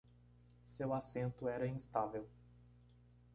Seu assento era instável.